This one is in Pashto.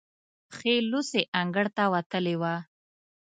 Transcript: پښې لوڅې انګړ ته وتلې وه.